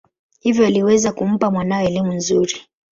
Hivyo aliweza kumpa mwanawe elimu nzuri.